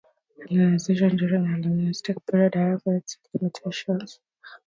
Hellenization during the Hellenistic period, however, had its limitations.